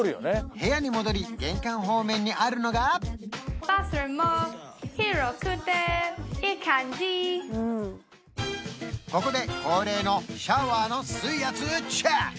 部屋に戻り玄関方面にあるのがここで恒例のシャワーの水圧チェック